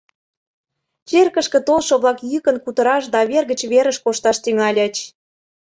Черкышке толшо-влак йӱкын кутыраш да вер гыч верыш кошташ тӱҥальыч.